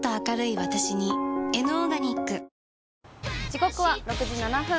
時刻は６時７分。